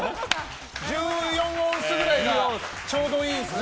１４オンスぐらいがちょうどいいんすね。